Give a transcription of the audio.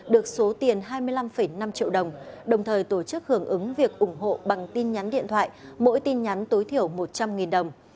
được số tiền hai mươi năm năm triệu đồng đồng thời tổ chức hưởng ứng việc ủng hộ bằng tin nhắn điện thoại mỗi tin nhắn tối thiểu một trăm linh đồng